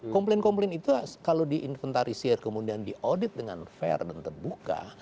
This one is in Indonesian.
komplain komplain itu kalau di inventarisir kemudian di audit dengan fair dan terbuka